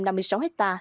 đắk nông một mươi ha